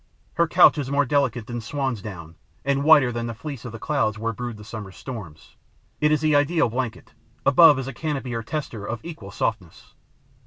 Her couch is more delicate than swan's down and whiter than the fleece of the clouds where brood the summer storms. It is the ideal blanket. Above is a canopy or tester of equal softness.